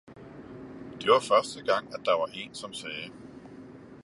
det var første Gang, at der var Een som sagde.